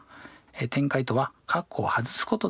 展開とは括弧を外すことですね。